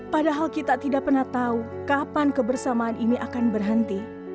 padahal kita tidak pernah tahu kapan kebersamaan ini akan berhenti